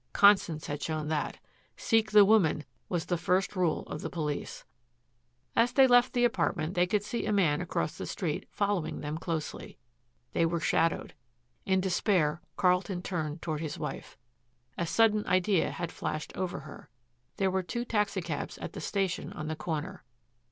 Constance had shown that. "Seek the woman," was the first rule of the police. As they left the apartment they could see a man across the street following them closely. They were shadowed. In despair Carlton turned toward his wife. A sudden idea had flashed over her. There were two taxicabs at the station on the corner.